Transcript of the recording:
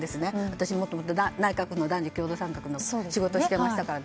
私は元内閣の男女共同参画の仕事をしていましたから。